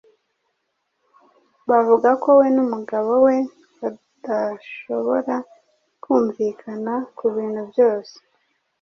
Bavuga ko we numugabo we badashobora kumvikana kubintu byose.